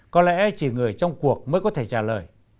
có lẽ chỉ người trong cuộc mới có thể trả lời